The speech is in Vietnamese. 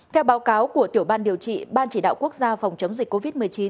theo báo cáo của tiểu ban điều trị ban chỉ đạo quốc gia phòng chống dịch covid một mươi chín